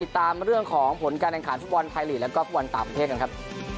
ตามเรื่องของผลการแข่งขันฟุตบอลไทยลีกแล้วก็ฟุตบอลต่างประเทศกันครับ